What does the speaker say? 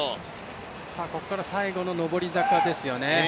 ここから最後の上り坂ですよね。